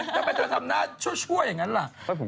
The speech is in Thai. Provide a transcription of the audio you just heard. ทำไมเธอทำหน้าชั่วอย่างนั้นล่ะ